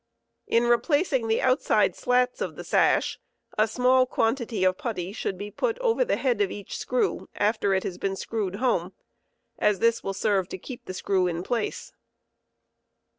In replacing the outside slats of the sash, a small quantity of putty should be put over the head of each screw after it has been screwed home, as this will servo to keep the aorcw in, place.